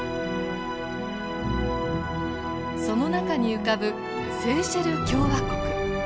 その中に浮かぶセーシェル共和国。